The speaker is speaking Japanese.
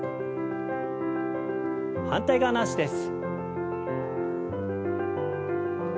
反対側の脚です。